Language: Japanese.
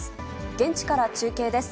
現地から中継です。